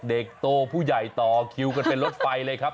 เด็กโตผู้ใหญ่ต่อคิวกันเป็นรถไฟเลยครับ